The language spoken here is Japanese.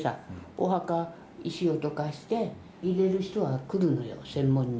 お墓、石をどかして、入れる人が来るのよ、専門に。